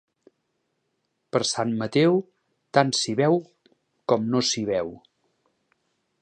Per Sant Mateu, tant s'hi veu com no s'hi veu.